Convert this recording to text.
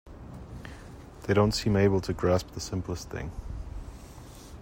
They don't seem able to grasp the simplest thing.